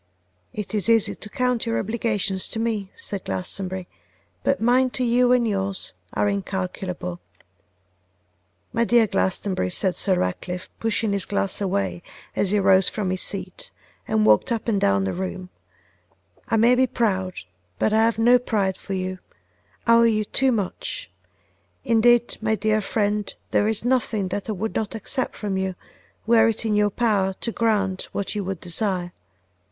'It is easy to count your obligations to me,' said Glastonbury, 'but mine to you and yours are incalculable.' 'My dear Glastonbury,' said Sir Ratcliffe, pushing his glass away as he rose from his seat and walked up and down the room, 'I may be proud, but I have no pride for you, I owe you too much; indeed, my dear friend, there is nothing that I would not accept from you, were it in your power to grant what you would desire.